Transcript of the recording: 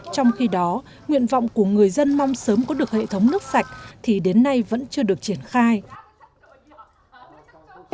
trong khi đó nguyện vọng của người dân mong sớm có được hệ thống nước sạch thì đến nay vẫn chưa được triển khai